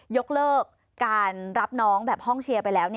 ยกเลิกการรับน้องแบบห้องเชียร์ไปแล้ว